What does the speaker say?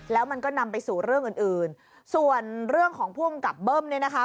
แล้วมันก็นำไปสู่เรื่องอื่นอื่นส่วนเรื่องของภูมิกับเบิ้มเนี่ยนะคะ